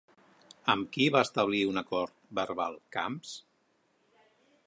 Amb qui va establir un acord verbal Camps?